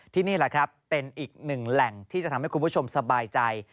นี่แหละครับเป็นอีกหนึ่งแหล่งที่จะทำให้คุณผู้ชมสบายใจ